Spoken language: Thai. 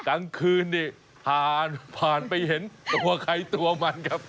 กลางคืนนี่ผ่านผ่านไปเห็นตัวใครตัวมันครับ